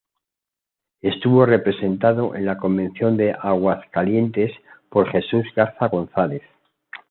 Estuvo representado en la Convención de Aguascalientes por Jesús Garza González.